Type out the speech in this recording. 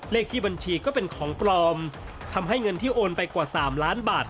เลขที่บัญชีก็เป็นของปลอมทำให้เงินที่โอนไปกว่า๓ล้านบาท